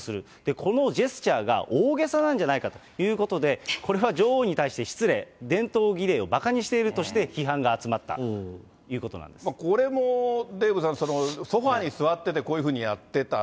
このジェスチャーが大げさなんじゃないかということで、これは女王に対して失礼、伝統儀礼をばかにしているとして、批判が集まったということなんでこれもデーブさん、ソファに座ってて、こういうふうにやってた。